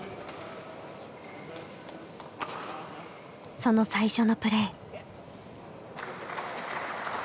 その最初のプレー。